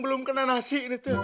belum kena nasi